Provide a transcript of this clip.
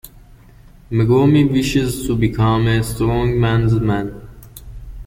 Megumi wishes to become a strong man's man.